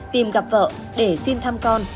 tìm gặp vợ để xin thăm con